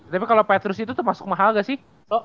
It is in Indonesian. tapi kalo petrus itu tuh masuk mahal ga sih